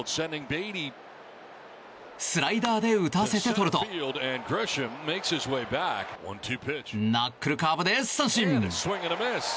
スライダーで打たせてとるとナックルカーブで三振！